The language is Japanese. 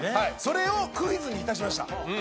それをクイズにいたしました。